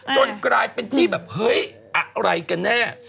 จนกลายเป็นที่แบบเฮ้ยอะไรกันแน่